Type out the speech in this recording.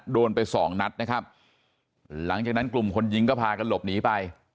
โดนไปสองนัดนะครับหลังจากนั้นกลุ่มคนยิงก็พากันหลบหนีไป